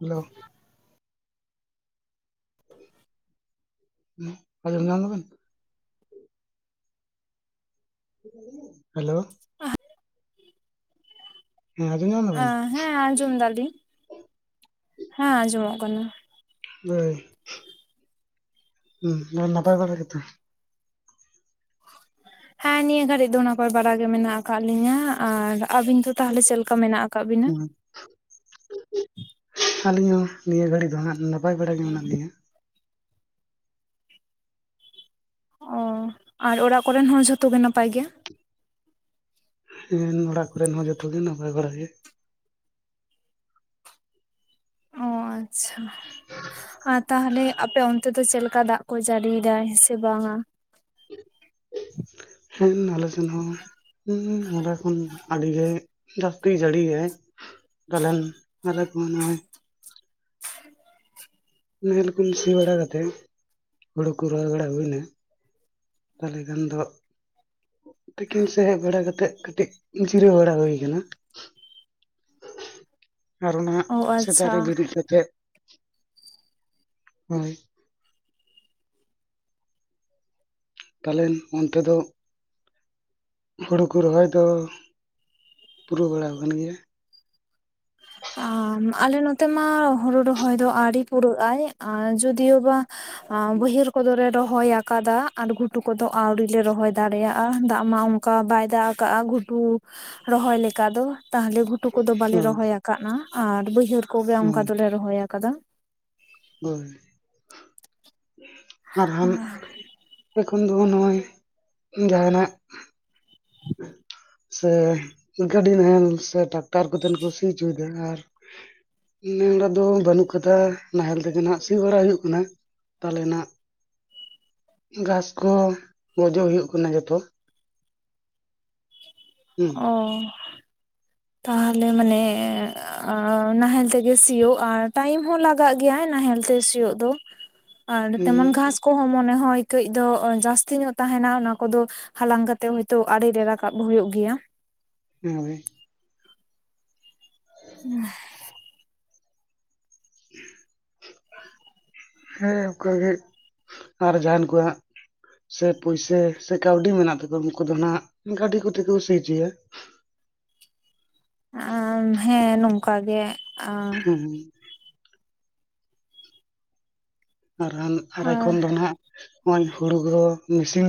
Hello. ᱦᱩᱸ᱾ ᱟᱡᱚᱢ ᱧᱟᱢ ᱫᱟᱹᱵᱮᱱ? ᱦᱮᱞᱳ᱾ [inaudible] ᱦᱮᱸ ᱟᱸᱡᱚᱢ ᱧᱟᱢ ᱫᱟᱹᱵᱤᱱ? ᱟᱸ ᱦᱮᱸ ᱟᱸᱡᱚᱢ ᱫᱟᱞᱤᱧ᱾ ᱦᱮᱸ ᱟᱸᱡᱚᱢᱚᱜ ᱠᱟᱱᱟ᱾ ᱦᱳᱭ᱾ ᱦᱩᱸ ᱱᱟᱭ ᱱᱟᱯᱟᱭ ᱵᱟᱲᱟ ᱜᱮ ᱛᱚ? [inaudible] ᱦᱮᱸ ᱱᱤᱭᱟᱹ ᱜᱷᱟᱹᱲᱤᱡ ᱫᱚ ᱱᱟᱯᱟᱭ ᱵᱟᱲᱟ ᱜᱮ ᱢᱮᱱᱟᱜ ᱟᱠᱟᱫ ᱞᱤᱧᱟ ᱟᱨ ᱟᱵᱤᱱ ᱫᱚ ᱛᱟᱦᱞᱮ ᱪᱮᱫᱠᱟ ᱢᱮᱱᱟᱜ ᱟᱠᱟᱫ ᱵᱤᱱᱟ ᱟᱹᱞᱤᱧ ᱦᱚᱸ ᱱᱤᱭᱟᱹ ᱜᱷᱟᱹᱲᱤᱡ ᱫᱚ ᱦᱟᱸᱜ ᱱᱟᱯ ᱯᱟᱭ ᱵᱟᱲᱟᱟ ᱜᱮ ᱢᱮᱱᱟᱜ ᱞᱤᱧᱟ᱾ ᱚ ᱟᱨ ᱚᱲᱟᱜ ᱠᱚᱨᱮᱱ ᱦᱚᱸ ᱡᱷᱚᱛᱚ ᱜᱮ ᱱᱟᱯᱟᱭ ᱜᱮᱭᱟ᱾ ᱦᱩᱸ ᱚᱲᱟᱜ ᱠᱚᱨᱮᱱ ᱦᱚᱸ ᱡᱚᱛᱚ ᱜᱮ ᱱᱟᱯᱟᱭ ᱵᱟᱲᱟ ᱜᱮ᱾ ᱚ ᱟᱪᱪᱷᱟ [unintelligible] ᱛᱟᱦᱚᱞᱮ ᱟᱯᱮ ᱚᱱᱛᱮ ᱫᱚ ᱪᱮᱫ ᱞᱮᱠᱟ ᱫᱟᱜ ᱠᱚ ᱡᱟᱹᱲᱤᱭ ᱫᱟᱭ ᱥᱮ ᱵᱟᱝᱟ? ᱦᱮᱸᱱ ᱟᱞᱪᱮᱱ ᱦᱚᱸ ᱦᱩᱸ ᱚᱰᱮ ᱠᱷᱚᱱ ᱟᱹᱰᱤ ᱜᱮ ᱡᱟᱹᱥᱛᱤ ᱡᱟᱹᱲᱤᱭᱮᱜᱟᱭ ᱛᱟᱞᱦᱮᱱ ᱟᱞᱮ ᱠᱚᱦᱚᱸ ᱱᱚᱜᱚᱭ ᱱᱟᱦᱮᱞ ᱠᱩᱱ ᱥᱤ ᱵᱟᱲᱟ ᱠᱟᱛᱮᱜ ᱦᱩᱲᱩ ᱠᱚ ᱨᱚᱦᱚᱭ ᱵᱟᱲᱟ ᱦᱩᱭᱱᱟ᱾ ᱛᱟᱦᱚᱞᱮ ᱠᱷᱟᱱ ᱫᱚ ᱛᱤᱠᱤᱱ ᱥᱮ ᱦᱮᱫ ᱵᱟᱲᱟ ᱠᱟᱛᱮᱫ ᱠᱟᱹᱴᱤᱡ ᱡᱤᱨᱟᱹᱣ ᱵᱟᱲᱟ ᱦᱩᱭ ᱟᱠᱟᱱᱟ᱾ ᱟᱨᱚ ᱱᱟᱦᱟᱜ ᱚ ᱥᱮᱛᱟᱜ ᱨᱮ ᱟᱪᱪᱷᱟ ᱵᱮᱨᱮᱫ ᱠᱟᱛᱮᱫ ᱛᱟᱞᱮᱱ ᱚᱱᱛᱮ ᱫᱚ ᱦᱩᱲᱩ ᱠᱚ ᱨᱚᱦᱚᱭ ᱫᱚ ᱯᱩᱨᱟᱹᱣ ᱵᱟᱲᱟᱣᱟᱠᱟᱱ ᱜᱮᱭᱟ᱾ ᱟᱢ ᱟᱞᱮ ᱱᱚᱛᱮ ᱢᱟ ᱦᱩᱲᱩ ᱨᱚᱦᱚᱭ ᱫᱚ ᱟᱹᱣᱨᱤ ᱯᱩᱨᱟᱹᱜ-ᱟᱭ ᱟᱨ ᱡᱩᱫᱤ ᱡᱚᱫᱤᱭᱳᱵᱟ ᱵᱟᱹᱭᱦᱟᱹᱨ ᱠᱚᱫᱚᱞᱮ ᱨᱚᱦᱚᱭ ᱟᱠᱟᱫᱟ ᱾ ᱟᱨ ᱜᱷᱩᱴᱩ ᱠᱚᱫᱚ ᱟᱹᱣᱨᱤ ᱞᱮ ᱨᱚᱦᱚᱭ ᱫᱟᱲᱮᱭᱟᱜᱼᱟ ᱫᱟᱜ ᱢᱟ ᱚᱱᱠᱟ ᱵᱟᱭ ᱫᱟᱜ ᱟᱠᱟᱜᱼᱟ ᱜᱷᱩᱴᱩ ᱨᱚᱦᱚᱭ ᱞᱮᱠᱟ ᱫᱚ ᱛᱟᱦᱚᱞᱮ ᱼᱼ ᱴᱩᱠᱩᱱ ᱠᱚ ᱫᱚ ᱵᱟᱞᱮ ᱦᱳᱭ ᱨᱚᱦᱚᱭ ᱟᱠᱟᱫᱟ ᱟᱨ ᱵᱟᱹᱭᱦᱟᱹᱲ ᱠᱚᱜᱮ ᱚᱱᱠᱟ ᱦᱳᱭ ᱫᱚᱞᱮ ᱨᱚᱦᱚᱭ ᱟᱠᱟᱫᱟ ᱾ ᱦᱳᱭ ᱟᱨ ᱦᱟᱱ ᱛᱮ ᱠᱷᱚᱱ ᱫᱚ ᱱᱚᱜᱼᱚᱭ ᱡᱟᱦᱟᱸᱱᱟᱜ [unintelligible] ᱥᱮ ᱜᱟᱹᱰᱤ ᱱᱟᱦᱮᱞ ᱥᱮ ᱴᱟᱠᱴᱟᱨ ᱠᱚᱛᱮᱱ ᱠᱚ ᱥᱤ ᱦᱚᱪᱚᱭᱮᱫᱟ ᱟᱨ ᱱᱮ ᱦᱚᱲ ᱟᱜ ᱫᱚ ᱵᱟᱹᱱᱩᱜ ᱠᱟᱫᱟ ᱱᱟᱦᱮᱞ ᱛᱮᱜᱮ ᱱᱷᱟᱜ ᱥᱤ ᱵᱟᱲᱟ ᱦᱩᱭᱩᱜ ᱠᱟᱱᱟ ᱾ ᱛᱟᱞᱮᱱᱟᱜ ᱜᱷᱟᱥ ᱠᱚ ᱜᱚᱡᱚᱜ ᱦᱩᱭᱩᱜ ᱠᱟᱱᱟ ᱡᱚᱛᱚ ᱾ ᱦᱩᱸ ᱚ ᱛᱟᱦᱚᱞᱮ ᱢᱟᱱᱮ ᱟᱻᱻ ᱱᱟᱦᱮᱞ ᱛᱮᱜᱮ ᱥᱤᱭᱳᱜ ᱟᱨ ᱴᱟᱭᱤᱢ ᱦᱚᱸ ᱞᱟᱜᱟᱜ ᱜᱮᱭᱟ ᱱᱟᱦᱮᱞ ᱛᱮ ᱥᱤᱭᱳᱜ ᱫᱚ ᱾ ᱟᱨ ᱛᱮᱢᱚᱱ ᱦᱩᱸ ᱜᱷᱟᱥ ᱠᱚᱦᱚᱸ ᱢᱚᱱᱮ ᱦᱚᱸᱭ ᱠᱟᱹᱡ ᱫᱚ ᱡᱟᱹᱥᱛᱤ ᱧᱚᱜ ᱛᱟᱦᱮᱱᱟ ᱚᱱᱟ ᱠᱚᱫᱚ ᱦᱟᱞᱟᱝ ᱠᱟᱛᱮᱜ ᱦᱳᱭᱛᱳ ᱟᱲᱮ ᱨᱮ ᱨᱟᱠᱟᱵ ᱦᱩᱭᱩᱜ ᱜᱮᱭᱟ ᱾ ᱦᱚᱭ ᱻ [inaudible] ᱦᱮᱸ ᱚᱱᱠᱟ ᱜᱮ ᱟᱨ ᱡᱟᱦᱟᱸᱱ ᱠᱚᱦᱟᱸᱜ ᱾ ᱥᱮ ᱯᱩᱭᱥᱟ ᱥᱮ ᱠᱟᱹᱣᱰᱤ ᱢᱮᱱᱟᱜ ᱛᱟᱠᱚᱣᱟ ᱩᱱᱠᱩ ᱫᱚ ᱱᱷᱟᱜ ᱜᱟᱹᱰᱤ ᱠᱚᱛᱮ ᱠᱚ ᱥᱤ ᱦᱚᱪᱚᱭᱟ ᱾ ᱟᱨ ᱦᱮᱸ ᱱᱚᱝᱠᱟ ᱜᱮ ᱟᱸᱻ ᱦᱩᱸᱻ ᱨᱟᱱ ᱟᱨᱟᱭ ᱠᱷᱚᱱ ᱫᱚ ᱱᱷᱟᱜ ᱱᱚᱜᱼᱚᱭ ᱦᱳᱲᱳ ᱠᱚ ᱢᱮᱥᱤᱱ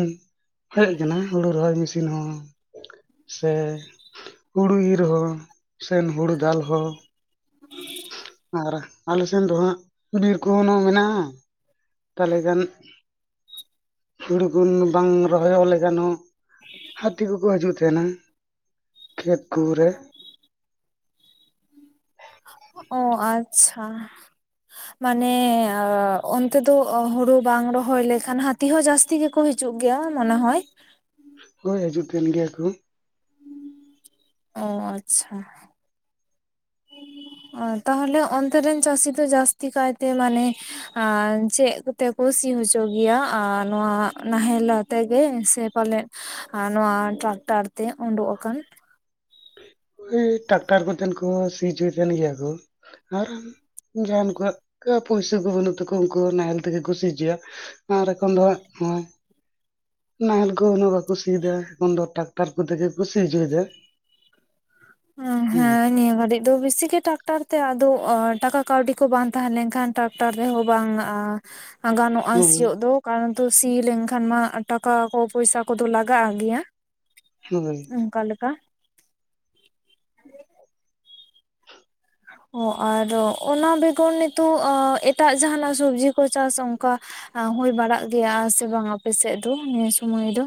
ᱦᱮᱡ ᱟᱠᱟᱱᱟ ᱦᱳᱲᱳ ᱨᱚᱦᱚᱭ ᱢᱮᱥᱤᱱ ᱦᱚᱸ ᱾ ᱥᱮ ᱦᱳᱲᱳ ᱤᱨ ᱦᱚᱸ ᱥᱮ ᱦᱳᱲᱳ ᱫᱟᱞ ᱦᱚᱸ ᱾ [inaudible] ᱟᱨ ᱟᱞᱮᱥᱮᱱ ᱫᱚ ᱦᱟᱸᱜ ᱵᱤᱨ ᱠᱚᱦᱚᱸ ᱱᱚ ᱢᱮᱱᱟᱜᱼᱟ ᱛᱟᱦᱚᱞᱮ ᱜᱟᱱ ᱦᱳᱲᱳ ᱠᱚ ᱵᱟᱝ ᱨᱚᱦᱚᱭᱚᱜ ᱞᱮᱠᱷᱟᱱ ᱦᱚᱸ ᱦᱟᱹᱛᱤ ᱠᱚᱠᱚ ᱦᱤᱡᱩᱜ ᱛᱟᱦᱮᱱᱟ ᱾ ᱠᱷᱮᱛ ᱠᱩᱨᱮ. ᱾ ᱚ ᱟᱪᱪᱷᱟ ᱾ [unintelligible] ᱢᱟᱱᱮ ᱚᱻᱻ ᱚᱱᱛᱮ ᱫᱚ ᱦᱳᱲᱳ ᱵᱟᱝ ᱨᱚᱦᱚᱭ ᱞᱮᱠᱷᱟᱱ ᱦᱟᱹᱛᱤ ᱦᱚᱸ ᱡᱟᱹᱥ ᱛᱤ ᱜᱮᱠᱚ ᱦᱤᱡᱩᱜ ᱜᱮᱭᱟ ᱢᱚᱱᱮ ᱦᱚᱭ ᱾ ᱦᱚᱭ ᱦᱤᱡᱩᱜ ᱠᱟᱱ ᱜᱮᱭᱟ ᱠᱚ ᱾ ᱚ ᱟᱪᱪᱷᱟ ᱾ [inaudible] ᱚ ᱛᱟᱦᱚᱞᱮ ᱚᱱᱛᱮ ᱨᱮᱱ ᱪᱟᱹᱥᱤ ᱫᱚ ᱡᱟᱹᱥᱛᱤ ᱠᱟᱭᱛᱮ ᱢᱟᱱᱮ ᱟᱨ ᱪᱮᱫ ᱠᱚᱛᱮ ᱠᱚ ᱥᱤ ᱦᱚᱪᱚ ᱜᱮᱭᱟ ᱟᱨ ᱱᱚᱣᱟ ᱱᱟᱦᱮᱞ ᱟᱛᱮᱜᱮ ᱥᱮ ᱯᱟᱞᱮᱫ ᱾ ᱟᱨ ᱱᱚᱣᱟ ᱴᱟᱠᱴᱟᱨ ᱛᱮ ᱚᱸᱰᱩᱠ ᱟᱠᱟᱱ ᱾ ᱮᱭ ᱴᱟᱠᱴᱟᱨ ᱠᱚᱛᱮᱱ ᱠᱚ ᱥᱤ ᱦᱚᱪᱚᱭᱮᱫ ᱛᱟᱦᱮᱱ ᱜᱮᱭᱟ ᱠᱚ ᱟᱨ ᱡᱟᱦᱟᱱ ᱠᱚᱣᱟᱜ ᱠᱚ ᱯᱩᱭᱥᱟᱹ ᱠᱚ ᱵᱟᱹᱱᱩᱜ ᱛᱟᱠᱩᱣᱟ ᱩᱱᱠᱩ ᱱᱟᱦᱮᱞ ᱛᱮᱜᱮ ᱠᱚ ᱥᱤ ᱦᱚᱪᱚᱭᱟ ᱾ ᱟᱨ ᱮᱠᱷᱚᱱ ᱫᱚ ᱦᱟᱜ ᱦᱚᱸ ᱱᱟᱦᱮᱞ ᱠᱚ ᱩᱱᱟᱹᱜ ᱵᱟᱠᱚ ᱥᱤ ᱫᱟ ᱩᱱ ᱫᱚ ᱴᱟᱠᱴᱟᱨ ᱠᱚ ᱛᱮᱜᱮ ᱠᱚ ᱥᱤ ᱦᱚᱪᱚᱭ ᱫᱟ ᱾ ᱮᱸ ᱦᱮᱸ ᱱᱤᱭᱟᱹ ᱜᱷᱟᱹᱨᱤᱡ ᱾ ᱟᱫᱚ ᱵᱮᱥᱤ ᱜᱮ ᱴᱟᱠᱴᱟᱨ ᱛᱮ ᱟᱫᱚ ᱴᱟᱠᱟ ᱠᱟᱹᱣᱰᱤ ᱠᱚ ᱵᱟᱝ ᱛᱟᱦᱮᱸ ᱞᱮᱱ ᱠᱷᱟᱱ ᱴᱟᱠᱴᱟᱨ ᱨᱮᱦᱚᱸ ᱵᱟᱝᱼᱟ ᱾ ᱜᱟᱱᱚᱜᱼᱟ ᱦᱳᱭ ᱥᱤᱭᱳᱜ ᱫᱚ ᱾ ᱠᱟᱨᱚᱱ ᱛᱚ ᱥᱤ ᱞᱮᱱ ᱠᱷᱟᱱ ᱢᱟ ᱴᱟᱠᱟ ᱠᱚ ᱯᱚᱭᱥᱟ ᱠᱚᱫᱚ ᱞᱟᱜᱟᱜᱼᱟ ᱜᱮᱭᱟ ᱾ [unintelligible] ᱚᱝᱠᱟᱞᱮᱠ-ᱟ᱾ ᱚ ᱟᱨ ᱚᱱᱟ ᱵᱮᱜᱚᱨ ᱱᱤᱛᱳᱜ ᱟᱻ ᱮᱴᱟᱜ ᱡᱟᱦᱟᱸᱱᱟᱜ ᱥᱚᱵᱽᱡᱤ ᱠᱚ ᱪᱟᱥ ᱚᱝᱠᱟ ᱦᱳᱭ ᱵᱟᱲᱟᱜ ᱜᱮᱭᱟ ᱥᱮ ᱵᱟᱝ ᱟᱯᱮ ᱥᱮᱫ ᱫᱚ ᱱᱤᱭᱟᱹ ᱥᱳᱢᱳᱭ ᱫᱚ?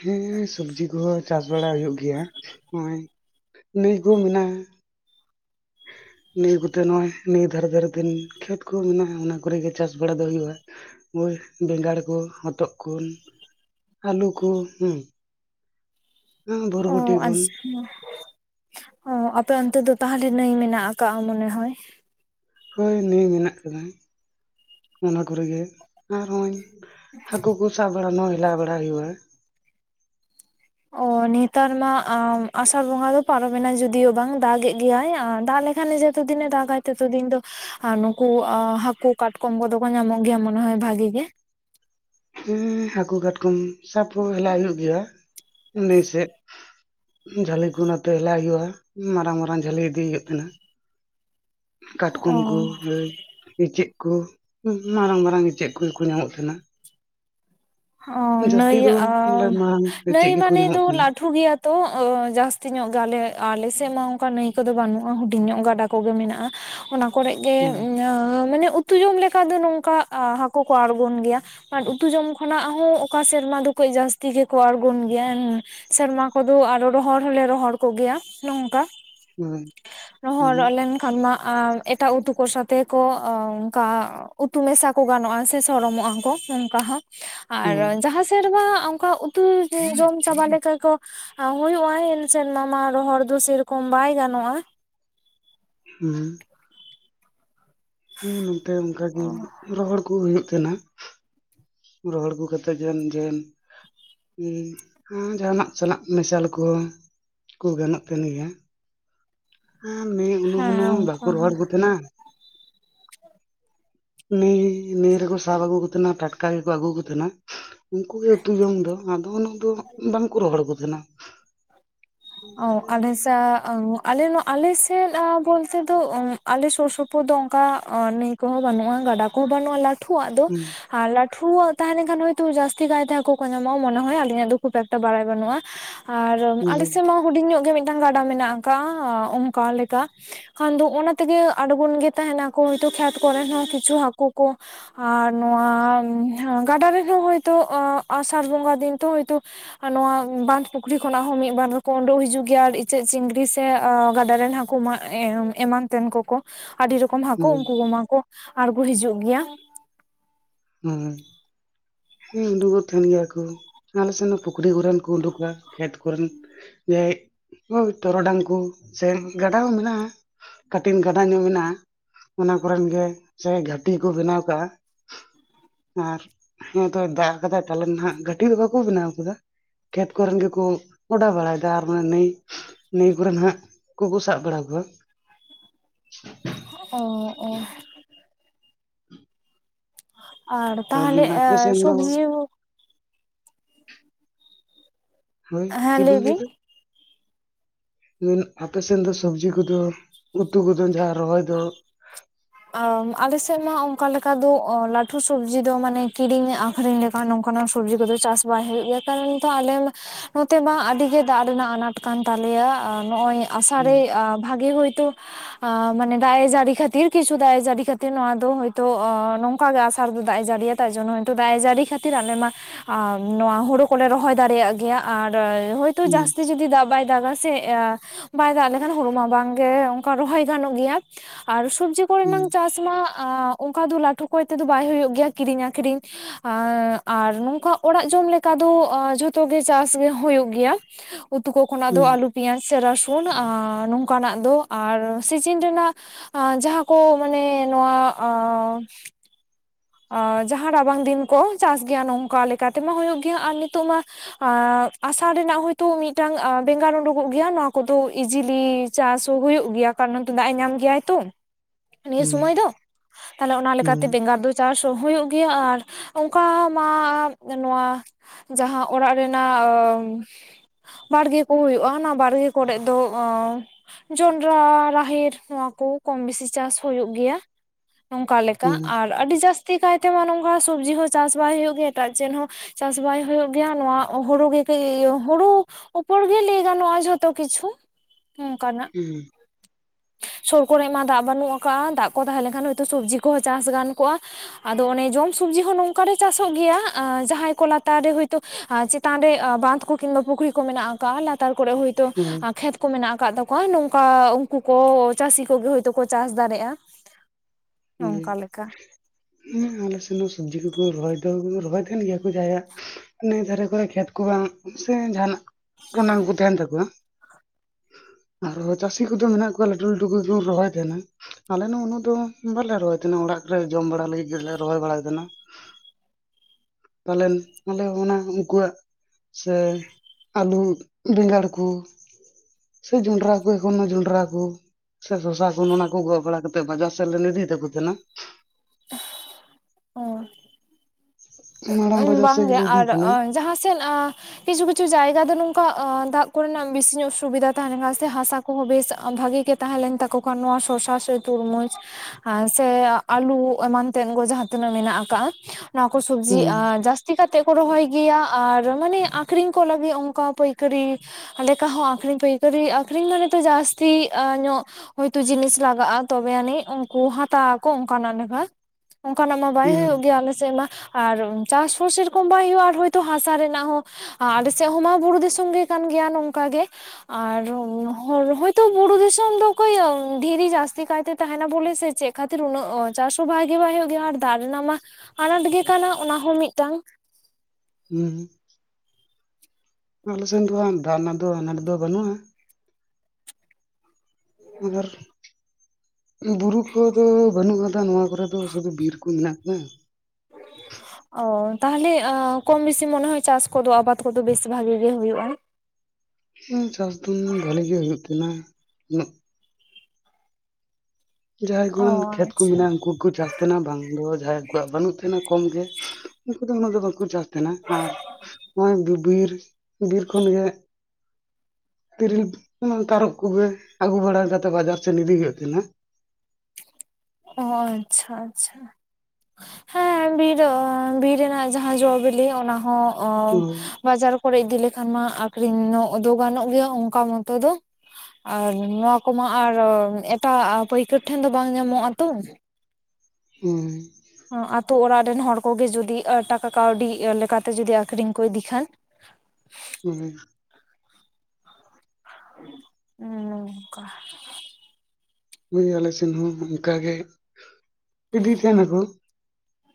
ᱦᱮᱸ ᱥᱚᱵᱽᱡᱤ ᱠᱚᱦᱚᱸ ᱪᱟᱥ ᱵᱟᱲᱟ ᱦᱳᱭᱳᱜ ᱜᱮᱭᱟ ᱦᱚᱸᱜᱚᱭ ᱱᱟᱹᱭ ᱠᱚ ᱦᱚᱸ ᱢᱮᱱᱟᱜ-ᱟ᱾ [inaudible] ᱱᱤᱭᱟᱹ ᱠᱚᱛᱮ ᱱᱚᱜᱚᱭ ᱱᱤᱭᱟᱹ ᱫᱷᱟᱨᱮ ᱫᱷᱟᱨᱮᱛᱮ ᱠᱷᱮᱛ ᱠᱚ ᱢᱮᱱᱟᱜ-ᱟ, ᱚᱱᱟ ᱠᱚᱨᱮ ᱜᱮ ᱪᱟᱥ ᱵᱟᱲᱟ ᱫᱚ ᱦᱩᱭᱩᱜ-ᱟ᱾ ᱳᱭ ᱵᱮᱸᱜᱟᱲ ᱠᱚ ᱦᱚᱛᱚᱜ ᱠᱷᱚᱱ ᱟᱞᱩ ᱠᱳ ᱦᱩᱸ᱾ ᱚ ᱵᱚᱨᱵᱚᱴᱤ ᱠᱚ ᱟᱪᱪᱷᱟ ᱦᱮᱸ᱾ ᱚ ᱟᱯᱮ ᱚᱱᱛᱮ ᱫᱚ ᱛᱟᱦᱟᱞᱮ ᱱᱟᱹᱭ ᱢᱮᱱᱟᱜ ᱟᱠᱟᱜ-ᱟ ᱢᱚᱱᱮ ᱦᱚᱭ? ᱦᱳᱭ ᱱᱤᱭᱟᱹ ᱢᱮᱱᱟᱜ ᱠᱟᱫᱟ ᱚᱱᱟ ᱠᱚᱨᱮ ᱜᱮ ᱟᱨ ᱦᱚᱸᱜᱚᱭ ᱦᱟᱹᱠᱩ ᱠᱚ ᱥᱟᱵ ᱵᱲᱟ [unintelligible] ᱵᱟᱲᱟ ᱦᱩᱭᱤᱜ-ᱟ᱾ ᱚ ᱱᱮᱛᱟᱨ ᱢᱟ ᱟᱥᱟᱲ ᱵᱚᱸᱜᱟ ᱫᱚ ᱯᱟᱨᱚᱢᱮᱱ-ᱟ ᱡᱩᱫᱤᱭᱳ ᱵᱟᱝ ᱫᱟᱜ ᱜᱮᱫ ᱜᱮᱭᱟᱭ ᱟᱨ ᱫᱟᱜ ᱞᱮᱠᱷᱟᱱ ᱡᱮ ᱛᱚ ᱫᱤᱱᱮ ᱫᱟᱜᱟᱭ ᱛᱚ ᱫᱤᱱ ᱫᱚ ᱟᱨ ᱱᱩᱠᱩ ᱦᱟᱹᱠᱩ ᱠᱟᱴᱠᱚᱢ ᱠᱚᱫᱚ ᱠᱚ ᱧᱟᱢᱚᱜ ᱜᱮᱭᱟ ᱢᱚᱱᱮ ᱦᱚᱭ ᱵᱷᱟᱹᱜᱤ ᱜᱮ? ᱦᱩᱸ ᱦᱟᱹᱠᱩ ᱠᱟᱴᱠᱚᱢ ᱥᱟᱵ ᱠᱚ ᱦᱮᱞᱟᱜ ᱦᱩᱭᱩᱜ ᱜᱮᱭᱟ, ᱱᱟᱭ ᱥᱮᱫ᱾ ᱡᱷᱟᱹᱞᱤ ᱠᱚ ᱱᱚᱛᱮ ᱦᱮᱞᱟᱜ ᱦᱩᱭᱩᱜ-ᱟ, ᱢᱟᱨᱟᱝ ᱢᱟᱨᱟᱝ ᱡᱷᱟᱹᱞᱤ ᱤᱫᱤ ᱦᱩᱭᱩᱜ ᱛᱟᱦᱮᱱ-ᱟ᱾ ᱠᱟᱴᱠᱚᱢᱠᱩ ᱚ ᱦᱟᱹᱭ ᱤᱪᱟᱹᱜᱠᱩ ᱢᱟᱨᱟᱝ ᱢᱟᱨᱟᱝ ᱤᱪᱟᱹᱜᱠᱩ ᱠᱩ ᱧᱟᱢᱚᱜ ᱛᱟᱦᱮᱱ-ᱟ᱾ ᱚ ᱡᱟᱹᱥᱛᱤ ᱱᱟᱹᱭ ᱫᱚ ᱢᱟᱨᱟᱝ ᱱᱟᱹᱭ ᱤᱪᱟᱹᱜ ᱜᱮᱠᱚ ᱢᱟᱱᱮ ᱧᱟᱢᱚᱜ ᱫᱚ ᱛᱟᱦᱮᱱᱟ ᱞᱟᱹᱴᱷᱩ ᱜᱮᱭᱟ ᱛᱚ ᱡᱟᱹᱥᱛᱤ ᱧᱚᱜ ᱜᱟᱞᱮ ᱟᱞᱮᱥᱮᱫ ᱢᱟ ᱚᱝᱠᱟ ᱱᱟᱹᱭ ᱠᱚᱫᱚ ᱵᱟᱹᱱᱩᱜ-ᱟ, ᱦᱩᱰᱤᱧ ᱧᱚᱜ ᱜᱮ ᱜᱟᱰᱟ ᱠᱚᱜᱮ ᱢᱮᱱᱟᱜ-ᱟ ᱚᱱᱟ ᱠᱚᱨᱮ ᱜᱮ ᱦᱮᱸ ᱢᱟᱱᱮ ᱩᱛᱩ ᱡᱚᱢ ᱞᱮᱠᱟ ᱫᱚ ᱱᱚᱝᱠᱟ ᱦᱟᱹᱠᱳ ᱠᱚ ᱟᱲᱜᱳᱱ ᱜᱮᱭᱟ ᱟᱨ ᱩᱛᱩ ᱡᱚᱢ ᱠᱷᱚᱱᱟᱜ ᱦᱚᱸ ᱚᱠᱟ ᱥᱮᱨᱢᱟ ᱫᱚ ᱠᱟᱹᱡ ᱡᱟᱹᱥᱛᱤ ᱜᱮᱠᱚ ᱟᱬᱜᱳᱱ ᱜᱮᱭᱟ᱾ ᱥᱮᱨᱢᱟ ᱠᱚᱫᱚ ᱟᱨᱚ ᱨᱚᱦᱚᱲ ᱦᱚᱞᱮ ᱨᱚᱦᱚᱲ ᱠᱚᱜᱮᱭᱟ, ᱱᱚᱝᱠᱟ ᱦᱮᱸ ᱦᱮᱸ ᱦᱚᱨᱚᱜ ᱞᱮᱱᱠᱷᱟᱱ ᱢᱟ ᱮᱴᱟᱜ ᱩᱛᱩ ᱠᱚ ᱥᱟᱛᱮ ᱠᱚ ᱚᱝᱠᱟ ᱩᱛᱩ ᱢᱮᱥᱟ ᱠᱚ ᱜᱟᱱᱚᱜ-ᱟ, ᱥᱮ ᱥᱚᱲᱚᱢᱚᱜ-ᱟ ᱠᱚ ᱱᱚᱝᱠᱟ ᱦᱚᱸ᱾ ᱟᱨ ᱦᱮᱸ ᱡᱟᱦᱟᱸ ᱥᱮᱨᱢᱟ ᱚᱝᱠᱟ ᱩᱛᱩ ᱡᱚᱢ ᱪᱟᱵᱟ ᱞᱮᱠᱟ ᱠᱚ ᱦᱳᱭᱳᱜᱟᱭ ᱮᱱ ᱥᱮᱨᱢᱟ ᱢᱟ ᱨᱚᱦᱚᱲ ᱫᱚ ᱥᱮᱨᱚᱠᱚᱢ ᱵᱟᱭ ᱜᱟᱱᱚᱜ-ᱟ᱾ ᱦᱩᱸ ᱦᱮᱸ ᱱᱚᱛᱮ ᱚᱝᱠᱟᱜᱮ ᱨᱚᱦᱚᱲ ᱠᱚ ᱦᱩᱭᱩᱜ ᱛᱟᱦᱮᱱᱟ᱾ ᱨᱚᱦᱚᱲ ᱠᱚ [unintelligible] ᱠᱟᱛᱮᱫ [unintelligible] ᱦᱩᱸ ᱦᱩᱸ ᱡᱟᱦᱟᱱᱟᱜ ᱥᱟᱞᱟᱜ ᱢᱟᱥᱮ ᱞᱮᱠᱚ ᱠᱚ ᱜᱟᱱᱚᱜ ᱛᱟᱦᱮᱱ ᱜᱮᱭᱟ ᱟᱨ ᱦᱮᱸ [unintelligible] ᱵᱟᱠᱩ ᱚᱱᱠᱟ ᱨᱚᱦᱚᱲ ᱠᱚ ᱛᱟᱦᱮᱸᱱᱟ᱾ ᱱᱟᱹᱭ ᱱᱟᱹᱭ ᱨᱮᱠᱚ ᱥᱟᱵ ᱟᱹᱜᱩ ᱠᱚ ᱛᱟᱦᱮᱱᱟ ᱴᱟᱴᱠᱟ ᱜᱮᱠᱚ ᱟᱹᱜᱩ ᱠᱚ ᱛᱟᱦᱮᱱᱟ ᱩᱝᱠᱩ ᱜᱮ ᱩᱛᱩ ᱡᱚᱝ ᱫᱚ ᱟᱫᱚ ᱩᱱᱟ ᱫᱚ ᱵᱟᱝᱠᱩ ᱨᱚᱦᱚᱲ ᱠᱚ ᱛᱟᱦᱮᱸᱱᱟ᱾ ᱚ ᱟᱞᱮ ᱥᱮ ᱛᱟ ᱟᱞᱮ ᱱᱚᱣᱟ ᱟᱞᱮ ᱥᱮᱫ ᱮᱸ ᱵᱳᱞᱛᱮ ᱫᱚ ᱟᱞᱮ ᱥᱳᱨ ᱥᱳᱯᱳᱨ ᱫᱚ ᱚᱝᱠᱟ ᱱᱟᱹᱭ ᱠᱚᱦᱚᱸ ᱵᱟᱹᱱᱩᱜ-ᱟ ᱜᱟᱰᱟ ᱠᱚᱦᱚᱸ ᱵᱟᱹᱱᱩᱜ-ᱟ ᱞᱟᱹᱴᱷᱩᱣᱟᱜ ᱫᱚ ᱦᱩᱸ ᱟᱨ ᱞᱟᱹᱴᱷᱩᱣᱟᱜ ᱛᱟᱦᱮᱸ ᱞᱮᱱᱠᱷᱟᱱ ᱦᱳᱭᱛᱚ ᱡᱟᱹᱥᱛᱤ ᱠᱟᱭᱛᱮ ᱦᱟᱹᱠᱳ ᱠᱚ ᱧᱟᱢᱚᱜ-ᱟ, ᱢᱚᱱᱮ ᱦᱚᱸᱭ ᱟᱹᱞᱤᱧᱟᱜ ᱫᱚ ᱠᱷᱩᱵ ᱮᱠᱴᱟ ᱵᱟᱲᱟᱭ ᱵᱟᱹᱱᱩᱜ-ᱟ᱾ ᱟᱨ ᱦᱳᱭ ᱟᱞᱮᱥᱮᱫ ᱢᱟ ᱦᱩᱰᱤᱧ ᱧᱚᱜ ᱜᱮ ᱢᱤᱫᱴᱟᱝ ᱜᱟᱰᱟ ᱢᱮᱱᱟᱜ ᱟᱠᱟᱜ ᱚᱝᱠᱟ ᱞᱮᱠᱟ ᱠᱷᱟᱱ ᱫᱚ ᱚᱱᱟ ᱛᱮᱜᱮ ᱟᱬᱜᱳᱱ ᱜᱮ ᱛᱟᱦᱮᱱᱟᱠᱚ ᱦᱳᱭᱛᱚ ᱠᱷᱮᱛ ᱠᱚᱨᱮ ᱦᱚᱸ ᱠᱤᱪᱷᱩ ᱦᱟᱹᱠᱳ ᱠᱚ ᱟᱨ ᱱᱚᱣᱟ ᱜᱟᱰᱟ ᱨᱮᱦᱚᱸ ᱦᱳᱭᱛᱚ ᱟᱥᱟᱲ ᱵᱚᱸᱜᱟ ᱫᱤᱱ ᱛᱚ ᱦᱳᱭᱛᱚ ᱟᱨ ᱱᱚᱣᱟ ᱵᱟᱸᱫᱽ ᱯᱩᱠᱷᱨᱤ ᱠᱷᱚᱱᱟᱜ ᱦᱚᱸ ᱢᱤᱫᱵᱟᱨ ᱫᱚ ᱠᱚ ᱳᱰᱳᱜ ᱦᱤᱡᱩᱜ ᱜᱮᱭᱟ ᱟᱨ ᱤᱪᱟᱹᱜ ᱪᱤᱝᱲᱤ ᱥᱮ ᱮᱸ ᱜᱟᱰᱟᱨᱮᱱ ᱦᱟᱹᱠᱳ ᱢᱟᱜ ᱮᱢᱟᱱ ᱛᱮᱱ ᱠᱚᱠᱚ ᱟᱹᱰᱤ ᱨᱚᱠᱚᱢ ᱦᱟᱹᱠᱳ ᱦᱳᱭ ᱩᱝᱠᱩ ᱠᱚ ᱢᱟᱠᱚ ᱳᱰᱳᱠ ᱦᱤᱡᱩᱜ ᱜᱮᱭᱟ᱾ ᱦᱩᱸ᱾ ᱦᱩᱸ ᱩᱰᱩᱠᱚᱜ ᱛᱟᱦᱮᱱ ᱜᱮᱭᱟ ᱠᱚ ᱟᱞᱮ ᱥᱮᱱ ᱦᱚᱸ ᱯᱩᱠᱷᱨᱤ ᱠᱚᱨᱮᱱ ᱠᱚ ᱩᱰᱩᱠᱚᱜᱼᱟ ᱠᱷᱮᱛ ᱠᱚᱨᱮᱱ᱾ [unintelligible] ᱦᱩᱸ ᱛᱚᱨᱚᱰᱟᱝ ᱠᱩ ᱥᱮ ᱜᱟᱰᱟ ᱦᱚᱸ ᱢᱮᱱᱟᱜᱼᱟ᱾ ᱠᱟᱴᱤᱱ ᱜᱟᱰᱟ ᱧᱚᱜ ᱢᱮᱱᱟᱜᱼᱟ ᱚᱱᱟ ᱠᱚᱨᱮᱱ ᱜᱮ ᱥᱮ ᱜᱷᱟᱹᱴᱤ ᱠᱚ ᱵᱮᱱᱟᱣ ᱠᱟᱜᱼᱟ᱾ ᱟᱨ ᱦᱮᱸ ᱛᱚᱭ ᱫᱟᱜ ᱟᱠᱟᱫᱟ ᱛᱟᱞᱦᱮ ᱱᱟᱦᱟᱜ ᱜᱷᱟᱴᱤ ᱫᱚ ᱵᱟᱠᱚ ᱵᱮᱱᱟᱣ ᱟᱠᱟᱫᱟ᱾ ᱠᱷᱮᱛ ᱠᱚᱨᱮᱱ ᱜᱮᱠᱚ ᱚᱰᱟᱣ ᱵᱟᱲᱟᱭᱮᱫᱟ ᱟᱨ ᱚᱱᱟ ᱱᱟᱹᱭ ᱱᱟᱹᱭ ᱠᱚᱨᱮᱱ ᱦᱟᱸᱜ ᱠᱩᱠᱩ ᱥᱟᱵ ᱵᱟᱲᱟ ᱠᱚᱣᱟ᱾ ᱚ ᱚ᱾ ᱟᱨ ᱛᱟᱦᱚᱞᱮ ᱟᱯᱮ ᱮ ᱥᱮᱱ ᱫᱚ ᱥᱚᱵᱡᱤ ᱦᱳᱭ ᱪᱮᱫ ᱵᱤᱱ ᱞᱟᱹᱭ ᱫᱟ? [inaudible] ᱟᱯᱮ ᱥᱮᱱ ᱫᱚ ᱥᱚᱵᱡᱤ ᱠᱚᱫᱚ ᱩᱛᱩ ᱠᱚᱫᱚ ᱡᱟᱸᱦᱟ ᱨᱚᱦᱚᱭ ᱫᱚ ᱚᱸ ᱟᱞᱮ ᱥᱮᱫ ᱢᱟ ᱚᱱᱠᱟ ᱞᱮᱠᱟ ᱫᱚ ᱮᱸ ᱞᱟᱹᱴᱷᱩ ᱥᱚᱵᱡᱤ ᱫᱚ ᱢᱟᱱᱮ ᱠᱤᱨᱤᱧ ᱟᱠᱷᱨᱤᱧ ᱞᱮ [inaudible] ᱱᱚᱝᱠᱟᱱᱟᱜ ᱥᱚᱵᱡᱤ ᱠᱚᱫᱚ ᱪᱟᱥ ᱵᱟᱭ ᱦᱩᱭᱩᱜ ᱜᱮᱭᱟ [inaudible] ᱱᱤᱛᱚᱜ ᱟᱞᱮ ᱱᱚᱛᱮ ᱢᱟ ᱟᱹᱰᱤ ᱜᱮ ᱫᱟᱜ ᱨᱮᱱᱟᱜ ᱟᱱᱟᱴ ᱠᱟᱱ ᱛᱟᱞᱮᱭᱟ ᱟ ᱱᱚᱜᱼᱚᱭ ᱟᱥᱟᱲ ᱦᱩᱸ ᱨᱮ ᱟ ᱵᱷᱟᱜᱮ ᱦᱚᱭᱛᱳ ᱟ ᱢᱟᱱᱮ ᱫᱟᱜ ᱮ ᱡᱟᱹᱲᱤ ᱠᱷᱟᱹᱛᱤᱨ ᱠᱤᱪᱷᱩ ᱫᱟᱜ ᱮ ᱡᱟᱹᱲᱤ ᱠᱷᱟᱹᱛᱤᱨ ᱱᱚᱣᱟ ᱫᱚ ᱦᱳᱭᱛᱚ ᱱᱚᱝᱠᱟ ᱜᱮ ᱟᱥᱟᱲ ᱫᱚ ᱫᱟᱜ ᱮ ᱡᱟᱹᱲᱤᱭᱟ᱾ ᱛᱟᱨ ᱡᱚᱱᱱᱳ ᱱᱤᱛᱚᱜ ᱫᱟᱜ ᱮ ᱡᱟᱨᱤ ᱠᱷᱟᱹᱛᱤᱨ ᱟᱞᱮ ᱢᱟ ᱟᱢ ᱱᱚᱣᱟ ᱦᱳᱲᱳ ᱠᱚᱞᱮ ᱨᱚᱦᱚᱭ ᱫᱟᱲᱮᱭᱟᱜ ᱜᱮᱭᱟ ᱟᱨ ᱦᱚᱭᱛᱳ ᱦᱩᱸ ᱡᱟᱹᱥᱛᱤ ᱡᱩᱫᱤ ᱫᱟᱜ ᱵᱟᱭ ᱫᱟᱜᱟ ᱥᱮ ᱮ ᱵᱟᱭ ᱫᱟᱜ ᱞᱮᱠᱷᱟᱱ ᱦᱩᱲᱩ ᱢᱟ ᱵᱟᱝᱜᱮ ᱚᱱᱠᱟ ᱨᱚᱦᱚᱭ ᱜᱟᱱᱚᱜ ᱜᱮᱭᱟ, ᱟᱨ ᱥᱚᱵᱡᱤ ᱠᱚ ᱦᱩᱸ᱾ ᱪᱟᱥ ᱢᱟ ᱟ ᱚᱱᱠᱟ ᱫᱚ ᱞᱟᱹᱴᱷᱩ ᱠᱚᱭ ᱛᱮᱫᱚ ᱵᱟᱭ ᱦᱩᱭᱩᱜ ᱜᱮᱭᱟ ᱠᱤᱨᱤᱧ ᱟᱠᱷᱨᱤᱧ᱾ ᱟ ᱟᱨ ᱱᱚᱝᱠᱟ ᱚᱲᱟᱜ ᱡᱚᱢ ᱞᱮᱠᱟ ᱫᱚ ᱮ ᱡᱷᱚᱛᱚ ᱜᱮ ᱪᱟᱥ ᱜᱮ ᱦᱩᱭᱩᱜ ᱜᱮᱭᱟ᱾ [inaudible] ᱩᱛᱩ ᱠᱚ ᱠᱷᱚᱱᱟᱜ ᱫᱚ ᱦᱩᱸ ᱟᱹᱞᱩ, ᱯᱮᱸᱭᱟᱡ ᱥᱮ ᱨᱟᱹᱥᱩᱱ ᱟ ᱱᱚᱝᱠᱟᱱᱟᱜ ᱫᱚ ᱟᱨ ᱥᱤᱡᱤᱱ ᱨᱮᱱᱟᱜ ᱟ ᱡᱟᱦᱟᱸ ᱠᱚ ᱢᱟᱱᱮ ᱱᱚᱣᱟ ᱟᱻ ᱟ ᱡᱟᱦᱟᱸ ᱨᱟᱵᱟᱝ ᱫᱤᱱ ᱠᱚ ᱪᱟᱥ ᱜᱮᱭᱟ ᱱᱚᱝᱠᱟ ᱞᱮᱠᱟᱛᱮᱢᱟ ᱦᱩᱭᱩᱜ ᱜᱮᱭᱟ ᱟᱨ ᱱᱤᱛᱚᱜ ᱢᱟ ᱟᱻ ᱟᱥᱟᱲ ᱨᱮᱱᱟᱜ ᱦᱳᱭᱛᱚ ᱢᱤᱫᱴᱟᱝ ᱟ ᱵᱮᱸᱜᱟᱲ ᱩᱰᱩᱠᱚᱜ ᱜᱮᱭᱟ ᱱᱚᱣᱟ ᱠᱚᱫᱚ ᱤᱡᱤᱞᱤ ᱪᱟᱥ ᱦᱚᱸ ᱦᱩᱭᱩᱜ ᱜᱮᱭᱟ ᱠᱟᱨᱚᱱ ᱛᱚ ᱫᱟᱜ ᱮ ᱧᱟᱢ ᱜᱮᱭᱟᱭ ᱛᱚ᱾ [inaudible] ᱱᱤᱭᱟᱹ ᱥᱩᱢᱟᱹᱭ ᱫᱚ, ᱛᱟᱞᱦᱮ ᱚᱱᱟ ᱞᱮᱠᱟ ᱦᱩᱸ ᱛᱮ ᱵᱮᱸᱜᱟᱲ ᱫᱚ ᱪᱟᱥ ᱦᱚᱸ ᱦᱩᱭᱩᱜ ᱜᱮᱭᱟ ᱟᱨ ᱚᱱᱠᱟ ᱢᱟ ᱱᱚᱣᱟ ᱡᱟᱦᱟᱸ ᱚᱲᱟᱜ ᱨᱮᱱᱟᱜ ᱚᱸᱻ ᱵᱟᱲᱜᱮ ᱠᱚ ᱦᱩᱭᱩᱜᱼᱟ ᱚᱱᱟ ᱵᱟᱲᱜᱮ ᱠᱚᱨᱮᱜ ᱫᱚ ᱚᱸᱻ ᱡᱚᱱᱰᱨᱟ, ᱨᱟᱦᱮᱲ, ᱱᱚᱣᱟ ᱠᱚ ᱠᱚᱢ ᱵᱮᱥᱤ ᱪᱟᱥ ᱦᱩᱭᱩᱜ ᱜᱮᱭᱟ᱾ ᱱᱚᱝᱠᱟ ᱞᱮᱠᱟ ᱟᱨ ᱟᱹᱰᱤ ᱡᱟᱹᱥᱛᱤ ᱠᱟᱭᱛᱮ ᱢᱟ ᱱᱚᱝᱠᱟ ᱥᱚᱵᱡᱤ ᱦᱚᱸ ᱪᱟᱥ ᱵᱟᱭ ᱦᱩᱭᱩᱜ ᱜᱮ ᱮᱴᱟᱜ ᱪᱮᱫ ᱦᱚᱸ ᱪᱟᱥ ᱵᱟᱭ ᱦᱩᱭᱩᱜ ᱜᱮᱭᱟ ᱱᱚᱣᱟ ᱦᱩᱲᱩ ᱠᱟᱹᱡ ᱦᱩᱲᱩ ᱩᱯᱚᱲ ᱜᱮ ᱞᱟᱹᱭ ᱜᱟᱱᱚᱜᱼᱟ ᱡᱷᱚᱛᱚ ᱠᱤᱪᱷᱩ ᱱᱚᱝᱠᱟᱱᱟᱜ᱾ ᱦᱩᱸ ᱥᱳᱨ ᱠᱚᱨᱮ ᱢᱟ ᱫᱟᱜ ᱵᱟᱹᱱᱩᱜ ᱠᱟᱜᱼᱟ ᱫᱟᱜ ᱠᱚ ᱛᱟᱦᱮᱸ ᱞᱮᱱ ᱠᱷᱟᱱ ᱦᱚᱭᱛᱳ ᱥᱚᱵᱡᱤ ᱠᱚᱦᱚᱸ ᱪᱟᱥ ᱜᱟᱱ ᱠᱚᱜᱼᱟ᱾ ᱟᱫᱚ ᱚᱱᱮ ᱡᱚᱢ ᱥᱚᱵᱡᱤ ᱦᱚᱸ ᱱᱚᱝᱠᱟ ᱨᱮ ᱪᱟᱥᱚᱜ ᱜᱮᱭᱟ ᱟ ᱡᱟᱦᱟᱸᱭ ᱠᱚ ᱞᱟᱛᱟᱨ ᱨᱮ ᱦᱚᱭᱛᱳ ᱟ ᱪᱮ ᱛᱟᱱ ᱨᱮ ᱵᱟᱸᱷ ᱠᱚ ᱠᱤᱝᱵᱟ ᱯᱩᱠᱷᱨᱤ ᱠᱚ ᱢᱮᱱᱟᱜ ᱠᱟᱜᱼᱟ ᱞᱟᱛᱟᱨ ᱠᱚᱨᱮ ᱦᱳᱭᱛᱚ ᱦᱩᱸ ᱮᱸ ᱠᱷᱮᱛ ᱠᱚ ᱢᱮᱱᱟᱜ ᱟᱠᱟᱫ ᱛᱟᱠᱚᱣᱟ, ᱱᱚᱝᱠᱟ ᱩᱱᱠᱩ ᱠᱚ ᱪᱟᱹᱥᱤ ᱠᱚᱜᱮ ᱦᱳᱭᱛᱚ ᱠᱚ ᱪᱟᱥ ᱫᱟᱲᱮᱭᱟᱜᱼᱟ᱾ ᱱᱚᱝᱠᱟ ᱞᱮᱠᱟ [inaudible] ᱦᱩᱸ ᱟᱞᱮ ᱥᱮᱱ ᱦᱚᱸ ᱥᱚᱵᱽᱡᱤ ᱠᱚᱠᱚ ᱨᱚᱦᱚᱭ ᱫᱚ ᱨᱚᱦᱚᱭ ᱛᱟᱦᱮᱱ ᱜᱮᱭᱟ ᱠᱚ ᱡᱟᱦᱟᱸᱭᱟᱜ ᱱᱟᱹᱭ ᱫᱷᱟᱨᱮ ᱠᱚᱨᱮ ᱠᱷᱮᱛ ᱠᱚ ᱵᱟᱝ ᱥᱮ ᱡᱟᱦᱟᱱᱟᱜ [unintelligible] ᱛᱟᱸᱦᱮᱱ ᱛᱟᱠᱚᱣᱟ᱾ [inaudible] ᱟᱨᱦᱚᱸ ᱪᱟᱹᱥᱤ ᱠᱚᱫᱚ ᱢᱮᱱᱟᱜ ᱠᱚᱣᱟ ᱞᱟᱹᱴᱩ ᱞᱟᱹᱴᱩ ᱠᱚᱜᱮ ᱠᱚ ᱨᱚᱦᱚᱭ ᱛᱟᱦᱮᱱᱟ ᱟᱞᱮ ᱫᱚ ᱩᱱᱟᱹᱜ ᱫᱚ ᱵᱟᱞᱮ ᱨᱚᱦᱚᱭ ᱛᱟᱦᱮᱱᱟ ᱚᱲᱟᱜ ᱠᱚᱨᱮ ᱡᱚᱢ ᱵᱟᱲᱟ ᱞᱟᱹᱜᱤᱫ ᱜᱮᱞᱮ ᱨᱚᱦᱚᱭ ᱵᱟᱲᱟᱭ ᱛᱟᱦᱮᱱᱟ᱾ ᱯᱟᱞᱮᱱ ᱟᱞᱮ ᱚᱱᱟ ᱩᱱᱠᱩᱣᱟᱜ ᱥᱮ ᱟᱹᱞᱩ ᱵᱮᱸᱜᱟᱲ ᱠᱚ ᱥᱮ ᱡᱚᱱᱰᱨᱟ ᱠᱚ ᱮᱠᱷᱚᱱ ᱡᱚᱱᱰᱨᱟ ᱠᱚ ᱥᱮ ᱥᱚᱥᱟ ᱠᱚ ᱚᱱᱟ ᱠᱚ ᱜᱚᱜ ᱵᱟᱲᱟ ᱠᱟᱛᱮ ᱵᱟᱡᱟᱨ ᱛᱟᱦᱞᱮ [unintelligible] ᱛᱟᱠᱚ ᱛᱟᱦᱮ ᱠᱟᱱᱟ ᱸ [unintelligible] ᱢᱟᱨᱟᱝ ᱩᱸᱜ ᱵᱟᱡᱟᱨ ᱥᱮᱫ ᱵᱟᱝᱜᱮ ᱜᱮᱞᱮ ᱤᱫᱤ ᱟᱨ ᱛᱟᱦᱮᱱᱟ ᱡᱟᱦᱟᱸ ᱥᱮᱫ ᱠᱤᱪᱷᱩ ᱠᱤᱪᱷᱩ ᱡᱟᱭᱜᱟ ᱫᱚ ᱱᱚᱝᱠᱟ ᱫᱟᱜ ᱠᱚᱨᱮᱱᱟᱜ ᱵᱤᱥᱤ ᱧᱚᱜ ᱥᱩᱵᱤᱫᱷᱟ ᱛᱟᱦᱮᱱᱟ ᱥᱮ ᱦᱟᱥᱟ ᱠᱚᱦᱚᱸ ᱵᱮᱥ ᱵᱷᱟᱜᱤ ᱜᱮ ᱛᱟᱦᱮᱸ ᱞᱮᱱ ᱛᱟᱠᱚ ᱠᱷᱟᱱ ᱱᱚᱣᱟ ᱥᱚᱥᱟ ᱥᱮ ᱛᱩᱨᱢᱩᱡᱽ ᱥᱮ ᱟᱹᱞᱩ ᱮᱢᱟᱱ ᱛᱮᱱ ᱠᱚ ᱡᱟᱦᱟᱸ ᱛᱤᱱᱟᱹᱜ ᱢᱮᱱᱟᱜ ᱟᱠᱟᱜ ᱚᱱᱟ ᱠᱚ ᱥᱚᱵ ᱡᱤ ᱦᱩᱸ ᱡᱟᱹᱥᱛᱤ ᱠᱟᱛᱮᱜ ᱠᱚ ᱨᱚᱦᱚᱭ ᱜᱮᱭᱟ ᱟᱨ ᱢᱟᱱᱮ ᱟᱹᱠᱷᱨᱤᱧ ᱠᱚ ᱞᱟᱹᱜᱤᱫ ᱚᱱᱠᱟ ᱯᱟᱹᱭᱠᱟᱹᱨᱤ ᱞᱮᱠᱟ ᱦᱚᱸ ᱟᱹᱠᱷᱨᱤᱧ ᱯᱟᱹᱭᱠᱟᱹᱨᱤ ᱟᱹᱠᱷᱨᱤᱧ ᱢᱟ ᱱᱤᱛᱚᱜ ᱡᱟᱹᱥᱛᱤ ᱧᱚᱜ ᱦᱳᱭᱛᱳ ᱡᱤᱱᱤᱥ ᱞᱟᱜᱟᱜ-ᱟ ᱛᱚᱵᱮ ᱟᱹᱱᱤᱡ ᱩᱱᱠᱩ ᱦᱟᱛᱟᱣ ᱟᱠᱚ ᱚᱱᱠᱟᱱᱟᱜ ᱞᱮᱠᱟ ᱚᱝᱠᱟᱱᱟᱜ ᱢᱟ ᱵᱟᱭ ᱦᱩᱸ ᱦᱩᱭᱩᱜ ᱜᱮᱭᱟ ᱟᱞᱮ ᱥᱮᱫ ᱢᱟ ᱟᱨ ᱪᱟᱥ ᱦᱚᱸ ᱥᱟᱹᱭ ᱨᱚᱠᱚᱢ ᱵᱟᱭ ᱦᱳᱭᱳᱜ-ᱟ ᱟᱨ ᱦᱚᱭᱛᱳ ᱦᱟᱥᱟ ᱨᱮᱱᱟᱜ ᱦᱚᱸ ᱟᱞᱮ ᱥᱮᱫ ᱦᱚᱸᱢᱟ ᱵᱩᱨᱩ ᱫᱤᱥᱚᱢ ᱜᱮ ᱠᱟᱱ ᱜᱮᱭᱟ ᱱᱚᱝᱠᱟ ᱜᱮ ᱟᱨ ᱦᱚᱭᱛᱚ ᱵᱩᱨᱩ ᱫᱤᱥᱚᱢ ᱫᱚ ᱚᱠᱚᱭ ᱫᱷᱤᱨᱤ ᱡᱟᱹᱥᱛᱤ ᱠᱟᱭᱛᱮ ᱛᱟᱦᱮᱱᱟ ᱵᱚᱞᱮ ᱥᱮ ᱪᱮᱫ ᱠᱷᱟᱹᱛᱤᱨ ᱩᱱᱟᱹᱜ ᱪᱟᱥ ᱦᱚᱸ ᱵᱷᱟᱜᱮ ᱵᱟᱭ ᱦᱩᱭᱩᱜ ᱜᱮᱭᱟ ᱟᱨ ᱫᱟᱜ ᱨᱮᱱᱟᱜ ᱢᱟ ᱟᱱᱟᱴ ᱜᱮ ᱠᱟᱱᱟ ᱚᱱᱟ ᱦᱚᱸ ᱢᱤᱫᱴᱟᱝ ᱦᱩᱸᱻ ᱦᱩᱸᱻ ᱟᱞᱮᱥᱱ ᱫᱚ ᱦᱟᱸᱜ ᱫᱟᱜ ᱨᱮᱱᱟᱜ ᱫᱚ ᱟᱱᱟᱴ ᱫᱚ ᱵᱟᱹᱱᱩᱜ-ᱟ᱾ ᱟᱨ ᱵᱩᱨᱩ ᱠᱚᱫᱚ ᱵᱟᱹᱱᱩᱜ ᱟᱠᱟᱫᱟ ᱱᱚᱣᱟ ᱠᱚᱨᱮᱫᱚ ᱥᱩᱫᱩ ᱵᱤᱨ ᱠᱚ ᱢᱮᱱᱟᱜᱠᱟᱫᱟ᱾ ᱚ ᱛᱟᱦᱚᱞᱮ ᱠᱚᱢ ᱵᱮᱥᱤ ᱢᱚᱱᱮ ᱦᱚᱭ ᱪᱟᱥ ᱠᱚᱫᱚ ᱟᱵᱟᱫ ᱠᱚᱫᱚ ᱵᱮᱥ ᱵᱷᱟᱜᱤ ᱜᱮ ᱦᱩᱭᱩᱜ-ᱟ? ᱦᱩᱸ ᱪᱟᱥ ᱫᱚ ᱵᱟᱹᱞᱤᱜ ᱜᱮ ᱦᱩᱭᱩᱜ ᱛᱟᱦᱮᱱᱟ ᱩᱱᱟᱹᱜ ᱡᱟᱦᱟᱸᱭ ᱚ ᱠᱚᱣᱟᱝ ᱠᱷᱮᱛ ᱠᱚ ᱟᱪᱪᱷᱟ ᱢᱮᱱᱟᱜ-ᱟ ᱩᱱᱠᱩᱠᱚ ᱪᱟᱥ ᱛᱟᱦᱮᱱᱟ ᱵᱟᱝ ᱫᱚ ᱡᱟᱦᱟᱸᱭ ᱠᱚᱣᱟᱜ ᱵᱟᱹᱱᱩᱜ ᱛᱟᱦᱮᱱᱟ ᱠᱚᱢ ᱜᱮ ᱩᱱᱠᱩ ᱫᱚ ᱩᱱᱟᱹᱜ ᱫᱚ ᱵᱟᱠᱚ ᱪᱟᱥ ᱛᱟᱦᱮᱱᱟ ᱟᱨ ᱱᱚᱜ-ᱚᱭ [unintelligible] ᱵᱤᱨ ᱠᱷᱚᱱ ᱛᱮᱨᱤᱞ, ᱛᱟᱨᱚᱯ ᱠᱚᱜᱮ ᱟᱹᱜᱩ ᱵᱟᱲᱟ ᱠᱟᱛᱮᱜ ᱵᱟᱡᱟᱨ ᱥᱮᱱ ᱤᱫᱤ ᱦᱩᱭᱩᱜ ᱛᱟᱦᱮᱱᱟ᱾ ᱚᱸ ᱟᱪᱪᱷᱟ ᱟᱪᱪᱷᱟ᱾ ᱦᱮᱸ ᱵᱤᱨ, ᱵᱤᱨ ᱨᱮᱱᱟᱜ ᱡᱟᱦᱟᱸ ᱡᱚ ᱵᱤᱞᱤ ᱚᱱᱟ ᱦᱚ ᱦᱳᱭ ᱵᱟᱡᱟᱨ ᱠᱚᱨᱮ ᱤᱫᱤ ᱞᱮᱠᱷᱟᱱ ᱢᱟ ᱟᱠᱷᱨᱤᱧᱚᱜ ᱫᱚ ᱜᱟᱱᱚᱜ ᱜᱮᱭᱟ ᱚᱱᱠᱟ ᱢᱚᱛᱚ ᱫᱚ᱾ ᱟᱨ ᱱᱚᱣᱟ ᱠᱚᱢᱟ ᱟᱨ ᱮᱴᱟᱜ ᱯᱟᱹᱭᱠᱟᱹᱨ ᱴᱷᱮᱱ ᱫᱚ ᱵᱟᱝ ᱧᱟᱢᱚᱜ-ᱟ ᱛᱚ᱾ ᱦᱩᱸ ᱟᱛᱳ ᱚᱲᱟᱜ ᱨᱮᱱ ᱦᱚᱲ ᱠᱚᱜᱮ ᱡᱩᱫᱤ ᱴᱟᱠᱟ ᱠᱟᱹᱣᱰᱤ ᱞᱮᱠᱟᱛᱮ ᱡᱚᱫᱤ ᱟᱠᱷᱨᱤᱧ ᱠᱚ ᱤᱫᱤ ᱠᱷᱟᱱ ᱦᱩᱸ ᱩᱸ ᱱᱚᱝᱠᱟ ᱦᱩᱭ ᱟᱞᱮ ᱥᱮᱱ ᱦᱚᱸ ᱚᱱᱠᱟ ᱜᱮ ᱤᱫᱤ ᱛᱟᱦᱮᱱᱟᱠᱚ᱾